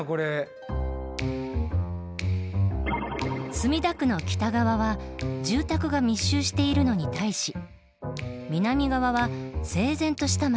墨田区の北側は住宅が密集しているのに対し南側は整然とした町並み。